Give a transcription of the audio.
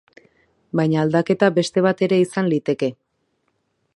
Baina aldaketa beste bat ere izan liteke.